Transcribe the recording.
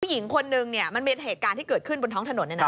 ผู้หญิงคนหนึ่งมันมีเหตุการณ์ที่เกิดขึ้นบนท้องถนน